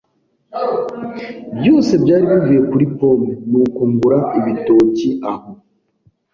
Byose byari bivuye kuri pome, nuko ngura ibitoki aho.